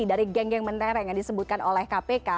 dari geng geng mentereng yang disebutkan oleh kpk